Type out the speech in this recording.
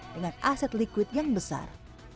dengan aset liquid yang besar